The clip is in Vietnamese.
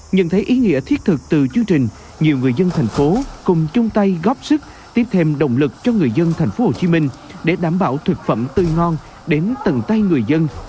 nhận thấy ý nghĩa thiết thực từ chương trình nhiều người dân thành phố cùng chung tay góp sức tiếp thêm động lực cho người dân thành phố hồ chí minh để đảm bảo thực phẩm tươi ngon đến từng tay người dân